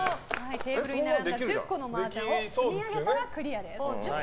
テーブルに並んだ１０個のマージャンを積み上げたらクリアです。